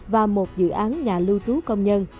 và một dự án nhà lưu trú công nhân